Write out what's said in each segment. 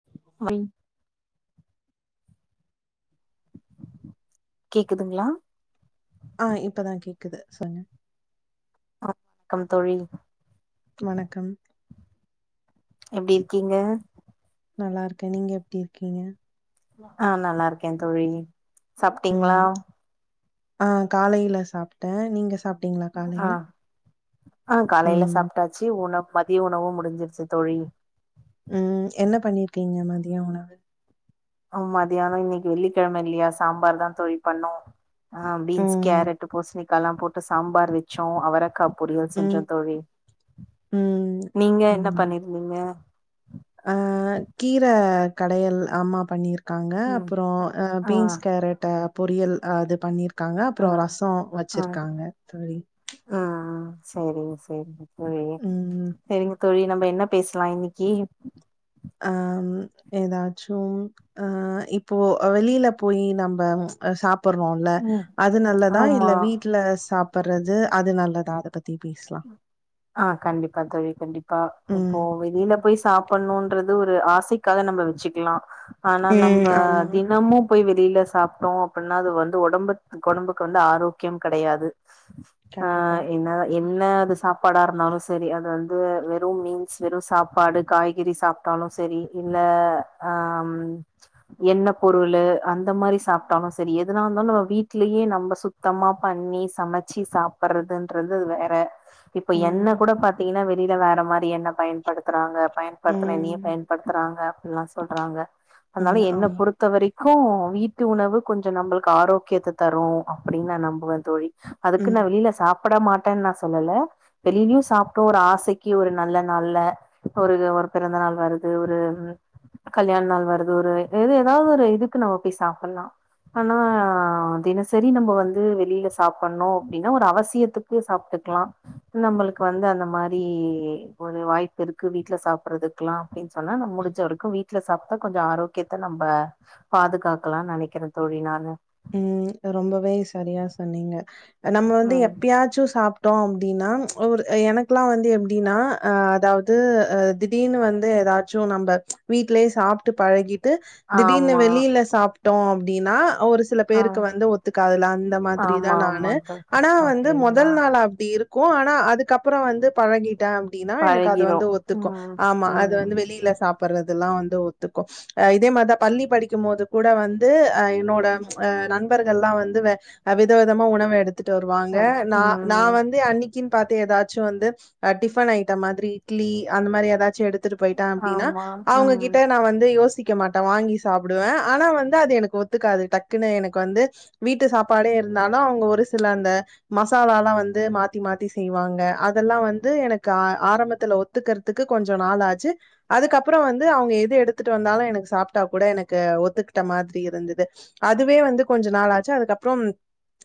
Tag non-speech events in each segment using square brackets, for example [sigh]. [unintelligible] கேக்குதுங்களா ஆ இப்போதா கேக்குது சொல்லு க்கம் தோழி வணக்கம் எப்டி இருக்கீங்க நல்லா இருக்கே நீங்க எப்டி இருக்கீங்க ஆ நல்லாருக்கே தோழி சாப்ட்டீங்களா ம் ஆ காலையில சாப்ட்டே நீங்க சாப் ஆ ஆ காலையில ம் சாப்ட்டாச்சு உணவு மதிய உணவும் முடிஞ்சிருச்சு தோழி ம் என்ன பண்ணிருக்கீங்க மதிய உணவு ஆ மதியான இன்னைக்கு வெள்ளிக்கெழம இல்லயா சாம்பார் தா தோழி பண்ணோ ஆ பீன்ஸ் ம் கேரட்டு பூசணிக்கா எல்லா போட்டு சாம்பார் வச்சோ அவரக்கா பொறியல் செஞ்சோ ம் தோழி ம் நீங்க என்ன ம் பண்ணிருந்தீங்க ஆ கீர கடையல் அம்மா பண்ணிருக் காங்க ம் அப்புற ஆ பீன்ஸ் கேரட்டு பொறியல் ஆ அது பண்ணிருக் காங்க ஆ அப்புற ரசோ ஆ வச்சிருக்காங்க தோழி ம் சேரிங்க சேரிங்க தோழி ம் சேரிங்க தோழி நம்ப என்ன பேசலா இன்னிக்கி ஆ ஏதாச்சு ஆ இப்போ வெளியில போய் நம்ப ஆ சாப்புறோம்ல ம் அது நல்லதா இல்ல ஆமா வீட்ல சாப்புறது அது நல்லதா அத ப த்தி பேசலா ஆ கண்டிப்பா தோழி கண்டிப்பா ம். இப்போ வெளியில போய் சாப் புட்ணுன்றது ஒரு ஆசைக்காக நம்ம வச்சுக்கலா ஆனா நம்ப ம். ஆமா. தினமு போய் வெளியில சாப்ட்டோ அப்டின்னா அது வந்து ஒடம்புக் ஒடம்புக்கு வந்து ஆரோக்கியம் கெடையாது ஆ கண்டிப்பா. என்னால என்ன அது சாப்பாடா இருந்தாலு செரி அது வந்து வெறு மீன்ஸ் வெறு சாப்பாடு காய்கறி சாப் ட்டாலு சரி இல்ல ஆ ம் எண்ணெ பொருளு அந்த மாரி சாப்ட்டாலு சரி எதுனா இருந்தாலு நம்ம வீட்லேயே நம்ம சுத் சுத்தமா பண்ணி சமைச்சு சாப்புறதுன்றது வேற வே இப்ப எண்ண ம். கூட பாத்தீங்கன்னா வெளியில வேற மாரி எண்ண பயன்படுத்துறாங்க பயன்படுத்துன எண்ணெயே ம். பயன்படுத்துறாங்க அப்டிலா சொல்றாங்க அதனால ம். என்ன ஆமா. பொறுத்த வரைக் கு வீட்டு உணவு கொஞ்ச நம்பளுக்கு ஆரோக்கியத்த தரு அப்டின்னு நா நம்புவ ம். அதுக்குன்னு நா வெளியில சாப்பிட மாட்டேன்னு நா சொல்லல வெளிலயு சாப்டோ ஒரு ஆசைக்கு ஒரு நல்ல நாள்ல ஒரு ஒரு பிறந்த நாள் வருது ஒரு கல்யாண நாள் வருது ஒரு எது ஏதாவது ஒரு இதுக்கு நம்ம போய் சாப்பல்லா ஆனா தினசரி நம்ம வந்து வெளியில சாப்புட்ணு அப்டினா ஒரு அவசியத்துக்கு சாப்டுக் க்லா நம்மளுக்கு வந்து அந்த மாரி ஒரு வாய்ப்பு இருக்கு வீட்ல சாப்பறதுக்குல்லா அப்டின்னு சொன்னா நம்ம முடிஞ்ச வரைக்கு வீட்ல சாப்டா கொஞ்ச ஆரோக்கியத்த நம்ப பாதுகாக்கலானு நெனைக்கிறே தோழி நானு ம் ரொம்பவே செரியா சொன்னீங்க நம்ம வந்து ம் எப்பயாச்சு சாப் டோ அப்டின்னா ஒரு எனக்கெல்லா வந்து எப்டினா அதாவது அ திடீர்னு வந்து ஏதா சோ நம்ப வீட்லயே சாப்டு பழகி திடீர்னு ஆமா வெளியில சாப்டோ அப்டின்னா ஒரு சில ஆ பேருக்கு வந்து ஒத்துக்காதுல அந்த மாதிரி தா ஆமா ஆமா நானு தோழி ஆனா வந்து அப்டிங்களா மொதல் நாளா அப்டி இருக்கு ஆனா அதுக்கப்புறோ வந்து பழகிட்டே அப்டின்னா எனக்கு அது பழகிரு வந்து ஒத்துக்கு ம் ஆமா அது ம் வந்து வெளியில சாப் படுறதெல்லா வந்து ஒத்துக்கு இதே மாரிதா பள்ளி படிக்கும் போது கூட வந்து என்னோட ம். அ நண்பர்கள்லா வந்து வ வித விதமா உணவ எடுத்து ட்டு வருவாங்க அடுத்து நா நா ம் வந்து அன்னைக் க்கின் பாத்து ஏதாச்சு வந்து டிஃபன் ஐட்ட மாரி இட்லி அந்த மாரி ஏதாச்சு எடுத் ட்டு போயிட்ட அப்டின்னா ஆமா ம் அவங்ககிட்ட நா வந்து யோசிக் வைக்க மாட்டே வாங்கி சாப்டுவே ஆனா வந்து அது எனக்கு ஒத்துக்காது டக்குன்னு எனக்கு வந்து வீட்டு சாப்பாடே இருந்தாலு அவுங்க ஒரு சில அந்த மசாலாலா வந்து மாத்தி மாத்தி செய்வாங்க அதெல்லா வந்து எனக்கு ஆ ஆரம்பத்துல ஒத் துக்கறதுக்கு கொஞ்சோ நாள் ஆச்சு அதுக்கப்பறோ வந்து அவுங்க எது எடுத்துட்டு வந்தாலு எனக்கு சாப்டா கூட எனக்கு ஒத்துக்கிட்ட மாதிரி இருந்தது அதுவே வந்து கொஞ்ச நாளாச்சு அதுக்கப்றம்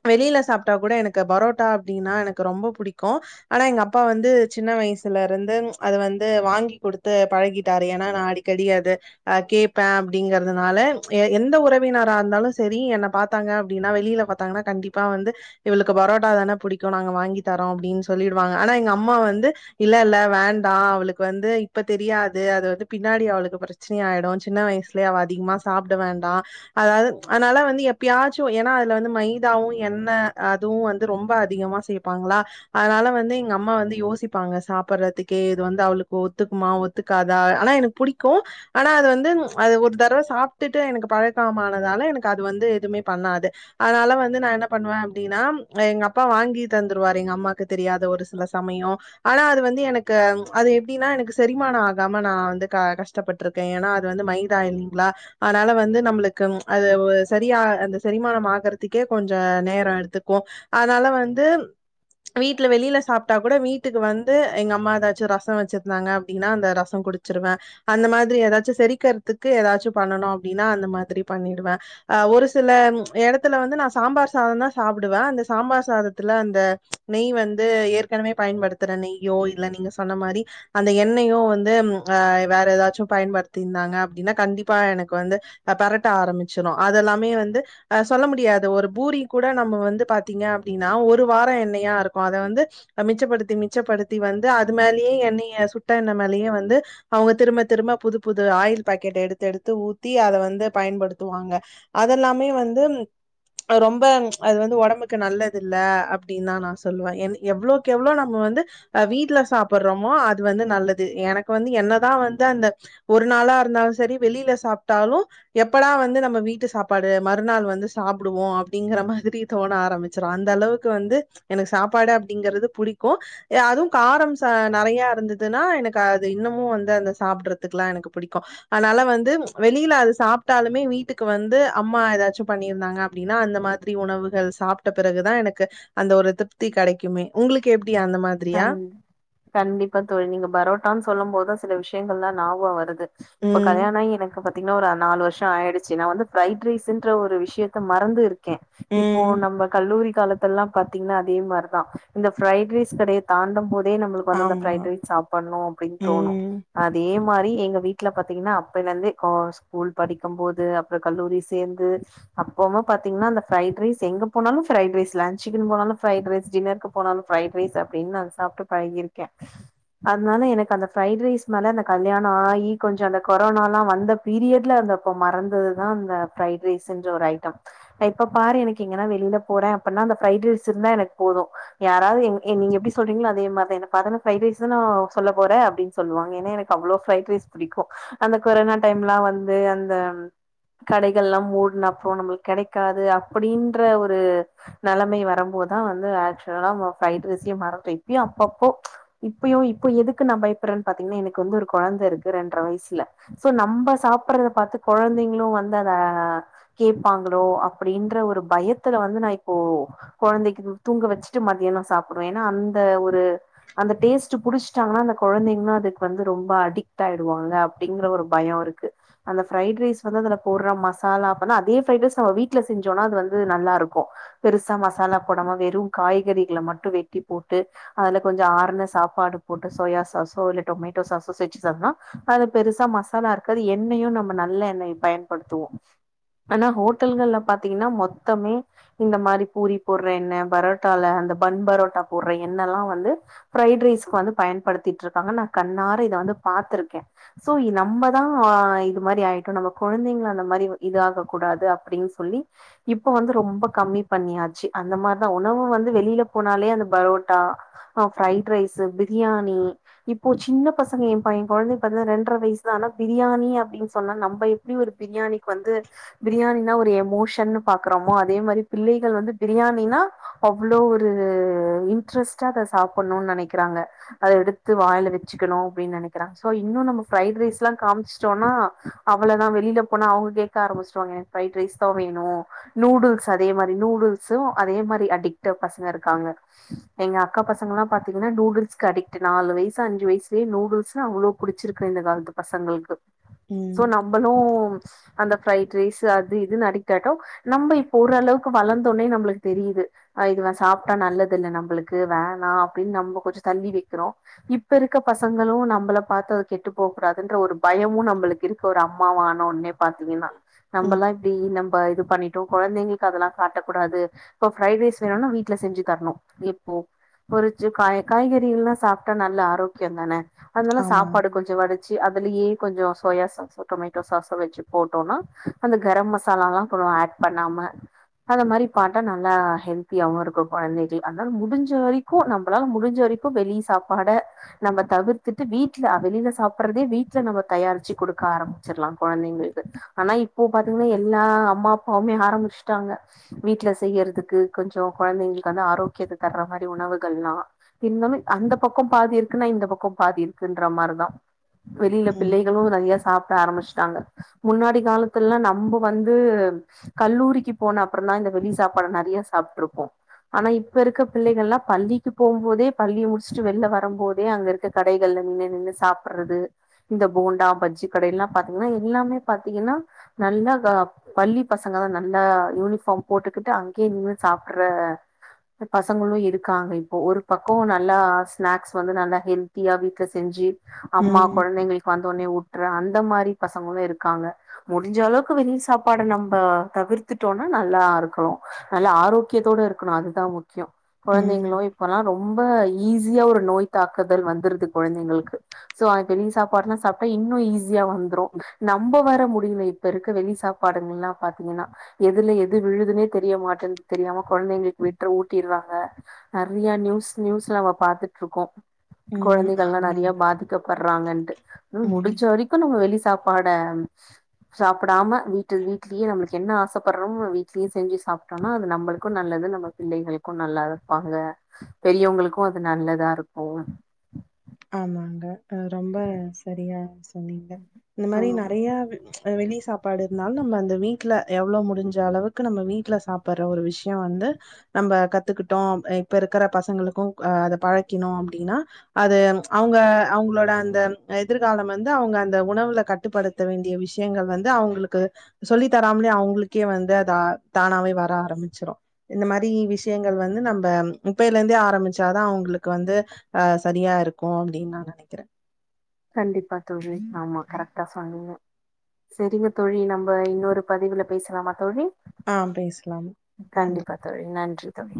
வெளில சாப்டா கூட எனக்கு பரோட்டா அப்டின்னா எனக்கு ரொம்ப புடிக்கு ஆனா எங்க அப்பா வந்து சின்ன வயசுல இருந்து அது வந்து வாங்கி குடுத்து பழகிட்டாரு ஏனா நா அடி க்கடி அது கேப்பே அப்டிங்கறதுனால எ எந்த உறவினா களா இருந்தாலு சேரி என்ன பாத்தாங்க அப்டின்னா வெளில பாத்தாங்கன்னா கண்டிப்பா வந்து இவளுக்கு பரோட்டா தான புடிக்கு நாங்க வாங்கி தரோ அப்டின்னு சொல்லிடுவாங்க ஆனா எங்க அம்மா வந்து இல்ல இல்ல வேண்டா அவளுக்கு வந்து இப்ப தெரியாது அது வந்து பின்னாடி அவளுக்கு பிரச்ச ச்னை ஆயிடு சின்ன வயசுலயே அவ அதிகமா சாப்ட வேண்டா அதாவது அதனால வந்து எப்பயாச்சு ஏனா அதுல வந்து மைதாவு எண்ணெ அதுவு வந்து ரொம்ப அதிகமா சேப் பாங்களா அதனால வந்து எங்க அம்மா வந்து யோசிப்பாங்க சாப்பறதுக்கே இது வந்து அவளுக்கு ஒத்துக்குமா ஒத் துக்காதா ஆனா எனக்கு புடிக்கு ஆனா அது வந்து அது ஒரு தடவ சாப்டுட்டு எனக்கு பழக் கமானதால எனக்கு அது வந்து எதுமே பண்ணாது அதனால வந்து நா என்ன பண்ணுவே அப்டின்னா எங்க அப்பா வாங்கி தந்துருவாரு எங்க அம்மாக்கு தெரியாத ஒரு சில சமயோ ஆனா அது வந்து எனக்கு அது எப்டின்னா எனக்கு செரிமானோ ஆகாம நா வந்து க கஷ் டப்பட்ருக்கே ஏனா அது வந்து மைதா இல்லீங்ளா அதனால வந்து நம்ளுக் கு அது செரியா ஆ அந்த செரிமானம் ஆகுறதுக்கே கொஞ்ச நேரோ எடுத்துக்கு அதனால வந்து வீட்ல வெளியில சாப்டா கூட வீட்டுக்கு வந்து எங்க அம்மா ஏதாச்சு ரசோ வச்சிருந்தாங்க அப்டின்னா அந்த ரசோ குடுச் ச்சிருவே அந்த மாதிரி ஏதாச்சு செரிக்கற்துக்கு ஏதாச்சு பண்ணணு அப்டினா அந்த மாதிரி பண்ணிடுவே அ ஒரு சில எடத்துல வந்து நா சாம்பார் சாதோ தா சாப்புடுவே அந்த சாம்பார் சாதத்துல அந்த நெய் வந்து ஏற்கனவே பயன்படுத்துற நெய்யோ இல்ல நீங்க சொன்ன மாரி அந்த எண்ணையோ வந்து ஆ வேற எதாச்சு பயன்படுத்தியிருந்தாங்க அப்படின்னா கண்டிப்பா எனக்கு வந்து அ பெரட்ட ஆரமிச்சிரு அதல்லாமே வந்து அ சொல்ல முடியாது ஒரு பூரி கூட நம்ம வந்து பாத்தீங்க அப்டின்னா ஒரு வாரோ எண்ணையா இருக்கு அத வந்து அ மிச்சப்படுத்தி மிச்சப்படுத்தி வந்து அது மேலயே எண்ணைய சுட்ட எண்ண மேலயே வந்து அவுங்க திரும்ப திரும்ப புது புது ஆயில் பேக்கெட் எடுத்து எடுத்து ஊத்தி அத வந்து பயன்படுத்துவாங்க அதல்லாமே வந்து அது ரொம்ப அது வந்து ஒடம்புக்கு நல்லது இல்ல அப்டின் தா நா சொல்லுவ என் எவ்ளோக்கு எவ்ளோ நம்ம வந்து அ வீட்ல சாப்பர்றோமோ அது வந்து நல்லது எனக்கு வந்து என்னதா வந்து அந்த ஒரு நாளா இருந்தாலு செரி வெளில சாப்ட்டாலு எப்படா வந்து நம்ம வீட்டு சாப்பாடு மறுநாள் வந்து சாப்புடுவோ அப்டிங்கற மாதிரி தோண ஆரம்பி ச்சுரு அந்த அளவுக்கு வந்து எனக்கு சாப்பாடு அப்டிங்கறது புடிக்கு ஏ அதுவு காரம் சா நறையா இருந்துதுன்னா எனக்கு அது இன்னமு வந்து அந்த சாப்ட்றதுக்குலா எனக்கு புடிக்கு அதனால வந்து வெளில அது சாப் ட்டாலுமே வீட்டுக்கு வந்து அம்மா எதாச்சு பண்ணியிருந்தாங்க அப்டின்னா அந்த மாதிரி உணவுகள் சாப்ட்ட பிறகுதா எனக்கு அந்த ஒரு திருப்தி கெடைக்குமே உங்களுக்கு எப்டி அந்த மா [unintelligible] கண்டிப்பா தோழி நீங்க பரோட்டான் சொல்லும் போது தா சில விஷயங்கள்லா ஞாபகோ வருது இப்ப ம், கல்யாணாயி எனக்கு ப திங்கனா ஒரு நாலு வருஷோ ஆயிடுச்சு நா வந்து பிரைட் ரைஸ்ன்ற ஒரு விஷயத்த மறந்து இரு க்க இப்போ ம். நம்ப கல்லூரி காலத்துல்லா பாத்திங்ன்னா அதே மார்தா இந்த பிரைட் ரைஸ் கடைய தாண்டும் போதே நம்பளுக்கு வந்து அந்த ஆமா. ப்ரைட் ரைஸ் சாப்பண்ணு அப்டின் தோணு ம், அதே மாரி எங்க வீட்ல பாத்திங்ன்னா அப்பய்லர்ந்தே கா ஸ்கூல் படிக்கும் போது அப்பறோ கல்லூரி சேந்து அப்பமு பாத்திங்ன்னா அந்த ப்ரைட் ரைஸ் எங்க போனாலு ப்ரைட் ரைஸ் லன்ஞ்க்குன்னு போனாலு பிரைட் ரைஸ் டின்னருக்கு போனாலு பிரைட் ரைஸ் அப்டின்னு நா சாப்ட்டு பழகிருக்க அதனால எனக்கு அந்த ப்ரைடு ரைஸ் மேல அந்த கல்யாண ஆயி கொஞ்சோ அந்த கொரோனாலா வந்த பீரியட்ல அந்தப்ப மறந்தது தா இந்த ப்ரைட் ரைஸ்ஸுன்ற ஒரு ஐட்டம் எப்ப பாரு எனக்கு எங்கன்னா வெளில போறே அப்பன்னா அந்த ப்ரைடு ரைஸ் இருந்தா எனக்கு போது யாராவது எங் ஏ நீங்க எப்டி சொல்றீங்களோ அதே மார் தா என்ன பாத்தன்ன ஃப்ரைட் ரைஸ் தான சொல்ல போற அப்டின் சொல்வாங்க ஏன்ன எனக்கு அவ்ளோ ஃப்ரைட் ரைஸ் புடிக்கு அந்த கொரோனா டைம்லா வந்து அந்த கடைகள்லா மூடுன அப்பறோ நம்மளுக் கெடைக்காது அப்படின்ற ஒரு நலமை வரம்போதா வந்து ஆக்சுவலா நம்ம ஃப்ரைட் ரைஸ்சயூ [unintelligible] இப்பயூ அப்பப்போ இப்பயூ இப்ப எதுக்கு நா பயப்படுறன் பாத்திங்கன்னா எனக்கு வந்து ஒரு கொழந்த இருக்கு ரெண்டர வயசுல சோ நம்ப சாப்பட்றத பாத்து கொழந்திங்ளு வந்து அத கேப்பாங்களோ அப்படின்ற ஒரு பயத்துல வந்து நா இப்போ கொழந்தைக்கு தூங்க வச்சுட்டு மத்தியானோ சாப்புடுவ ஏன்னா அந்த ஒரு அந்த டேஸ்ட்டு புடிஸ்ட்டாங்கன்னா அந்த கொழந்தைங்களு அதுக்கு வந்து ரொம்ப அடிக்ட் ஆயிடுவாங்க அப் டிங்கற ஒரு பயோ இருக்கு அந்த பிரைட் ரைஸ் வந்து அதுல போட்ற மசாலா அப்பன்னா அதே பிரைட் ரைஸ் நம்ம வீட்ல செஞ்சோன்னா அது வந்து நல்லா இருக்கு பெருசா மசாலா போடமா வெறு காய்கறிகள மட்டு வெட்டி போட்டு அதுல கொஞ்சோ ஆறுன சாப்பாடு போட்டு சோயா சாசோ இல்ல டொமேட்டோ சாசோ வெச்சு சாப்னா அது பெருசா மசாலா இருக்காது எண்ணெயூ நம்ம நல்ல எண்ணய பயன்படுத்துவோ அனா ஹோட்டல்கள்ல பாத்திங்கன்னா மொத்தமே இந்த மாரி பூரி போட்ற எண்ண பரோட்டால அந்த பன் பரோட்டா போடுற என்னல்லா வந்து பிரைட் ரைஸ்க்கு வந்து பயன்படுத்தீட்ருக்காங்க நா கண்ணார இத வந்து பாத்துருக்கே சோ இ நம்மதா இது மாரி ஆயிட்டோ நம்ம கொழந்தைங்கள அந்த மாரி இதாக கூடாது அப்டின் சொல்லி இப்ப வந்து ரொம்ப கம்மி பண்ணியாச்சு அந்த மார்தா உணவு வந்து வெளில போனாலே அந்த பரோட்டா ஆ ஃபிரைட் ரைஸ் பிரியாணி இப்போ சின்ன பசங்க என் பைய என் கொழந்தைக்கு பாத்தீங்கை ரெண்டர வயசு ஆனா பிரியாணி அப்டின்னு சொன்னா நம்ப எப் டி ஒரு பிரியாணிக்கு வந்து பிரியாணினா ஒரு எமோஷன் பாக்குறோமோ அதே மாரி பிள்ளைகள் வந்து பிரியாணினா அவ்ளோ ஒ ரு இன்ட்ரெஸ்டா அத சாப்புட்ணுனு நெனைக்கிறாங்க அத எடுத்து வாயில வச்சுக்கணு அப்டின்னு நெனைக்கிறாங்க சோ இன்னு நம்ம ஃபிரைடு ரைஸ் எல்லா காமிச்சுட்டோனா அவ்ளோதா வெளில போனா அவுங்க கேட்க ஆரம்பிச்சுடுவாங்க எனக்கு ஃப்ரைடு ரைஸ் தா வேணு நூடுல்ஸ் அதே மாரி நூடுல்ஸும் அதே மாரி அடிக்டா பசங்க இருக்காங்க எங்க அக்கா பசங்கல்லா பாத்தீங்கன்னா நூடுல்ஸ்க்கு அடிக்ட்டு நாலு வயசு அஞ்சு வயசுலே நூடுல்ஸ்னு அவ்ளோ புடிச்சிருக்கு இந்த காலத்து பசங்களுக்கு சோ ம், நம்மளு அந்த ஃபிரைடு ரைஸ் அது இதுன்னு ஆயிட்டோ நம்பி இப்ப ஒரு ஓரளவுக்கு வளந்தோனே நம்பளுக்கு தெரியுது அ இது சாப்ட்டா நல்லது இல்ல நம்பளுக்கு வேணா அப்டின்னு நம்ப கொஞ்சோ தள்ளி வக்கிறோ இப்ப இருக்க பசங்களும் நம்மள பாத்து அது கெட்டு போக்கூடாதுன்ற ஒரு பயமு நம்பளுக்கு இருக்கு ஒரு அம்மா வா ஆனோன்னே பாத்தீங்கன்னா ம். நம்பல்லா இப்டி இது பண்ணி ட்டு கொழந்தைங்களுக்கு அதெல்லா காட்டக்கூடாது இப்ப ஃபிரைடு ரைஸ் வேணும்னா வீட்ல செஞ்சு தரணு இப்போ பொரிச்சு காய் காய்கறிகள்லா சாப்ட்டா நல்ல ஆரோக்கியம்தான அதனால ஆமாங்க. சாப்பாடு கொஞ் சோ வடிச்சு அதுலயே கொஞ்சோ சோயா சாஸோ டொமேட்டோ சாஸோ வச்சு போட்டோனா அந்த கரம் மசாலால்லா கொஞ்ச ஆட் பண்ணாம அந்த மாரி போட்டா நல்லா ஹெல்தியாவு இருக் கும் கொழந்தைக்கி அதனால முடிஞ்ச வரைக்கு நம்பளால முடிஞ்ச வரைக்கு வெளி சாப்பாட நம்ம தவிர்த்துட்டு வீட்ல அ வெளில சாப்பிட்றதே வீட்ல நம்ம தயாரிச்சி குடுக்க ஆரம்பிச்சிட்லா கொழந்தைங்களுக்கு ஆனா இப்போ பாத்தீங்கன்னா எல்லா அம்மா அப்பாவுமே ஆரம்பிச்சுட்டாங்க வீட்ல செய்யறதுக்கு கொஞ்சோ கொழந்தைங்களுக்கு வந்து ஆரோக்கியத்த தர்ற மாரி உணவுகள்லா இன்னோன்னு அந்த பக்கோ பாதி இருக்குன்னா இந்த பக்கோ பாதி இருக்குன்ற மாரிதா வெளியில ம், பிள்ளைகளு நறைய சாப்ட ஆரம்பிச்சிட்டாங்க முன்னாடி காலத்துலலா நம்ப வந்து கல்லூரிக்கு போன அப்பறம்தா இந்த வெளி சாப்பாட நறைய சாப்பிட்ருக்கோ ஆனா இப்ப இருக்க பிள்ளைகள்லா பள்ளிக்கு போகும்போதே பள்ளி முடிச்சுட்டு வெளில வரும்போதே அங்க இருக்க கடைகள்ல நின்னு நின்னு சாப்புட்றது இந்த போண்டா பஜ்ஜி கடைலா பாத்தீங்கனா எல்லாமே பாத்தீங்கனா நல்லா க பள்ளி பசங்கதா நல்லா யூனிஃபார்ம் போட்டுக்கிட்டு அங்கேயே நின்னு சாப் புட்ற பசங்களு இருக்காங்க இப்போ ஒரு பக்கோ நல்லா ஸ்நாக்ஸ் வந்து நல்லா ஹெல்தியா வீட்ல செஞ்சி அம்மா ம், கொழந்தைங்களுக்கு வந்த ஒடனே ஊட்டுற அந்த மாரி பசங்களு இருக்காங்க முடிஞ்ச அளவுக்கு வெளி சாப்பாட நம்ப தவிர்த்துட்டோனா நல்லா இருக்கு நல்லா ஆரோக் கியத்தோட இருக்கணு அதுதா முக்கியம் ம், கொழந்தைங்களு இப்பல்லா ரொம்ப ஈஸியா ஒரு நோய் தாக்குதல் வந்துருது கொழந்தைங்களுக்கு சோ அது வெளிய சாப்பாடுலா சாப்ட்டா இன்னு ஈஸியா வந்துரு நம்ப வேற முடியல இப்ப இருக்க வெளி சாப்பாடுங்கல்லா பாத்தீங்கனா எதுல எது விழுதுன்னே தெரிய மாட்டேங்குது தெரியாம கொழந்தைங்களுக்கு வீட்ல ஊட்டிடுவாங்க நெறைய நியூஸ் நியூஸ்ல நம்ம பாத்துட்டு இருக்கோ ம். கொழந்தைகள்லா நெறைய ஆமாங்க. பாதி க்க பட்றாங்கன்ட்டு, ம், முடிஞ்ச்ச வரைக்கு நம்ப வெளி சாப்பாட சாப்பிடாம வீட்ல வீட்லயே நம்பளுக்கு என்ன ஆசப்பட்றமோ வீ்ட்லயே செஞ்சு சாப்ட்டோனா அது நம் பளுக்கு நல்லது நம்ம பிள்ளைகளுக்கு நல்லா இருப்பாங்க பெரியவங்களுக்கு அது நல்லதா இருக்கு ஆமாங்க ரொம்ப சரியா சொன்னீங்க இந்த மாரி ம் நொறயா வெளி சாப்பாடு இருந்தாலு நம்ம அந்த வீட்ல எவ்ளோ முடிஞ்ச அளவுக்கு நம்ம வீட்ல சாப்பற்ற ஒரு விஷியோ வந்து நம்ப கத்துக்கிட்டோ இப்ப இருக்க பசங்களுக்கு பழக்கினோ அப்டின்னா அது அவங்க அவங்களோட அந்த எதிர்காலம் வந்து அவங்க அந்த உணவுல கட்டுப்படுத்த வேண்டிய விஷ் விஷயங்கள் வந்து அவங்களுக்கு சொல்லி தராமலே அவ்ங்களுக்கே வந்து அது தானாவே வர ஆரம்பிச்சிரு இந்த மாரி விஷியங்கள் வந்து நம்ப இப்பையல இருந்தே ஆரம்பிச்சாதா அவ்ங்குளுக்கு வந்து ஆ சரியா இருக்கு அப்டின் நா நெனைக்கிறே கண்டிப்பா தோழி ஆமா கரெக்ட்டா சொன்னீங்க செரிங்க தோழி நம்ம இன்னொரு பதிவுல பேசலாமா தோழி ஆ பேசலாம் நன்றி கண்டிப்பா நன்றி தோழி